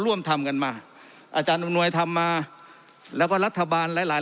ร่วมทำกันมาอาจารย์อำนวยทำมาแล้วก็รัฐบาลหลายหลาย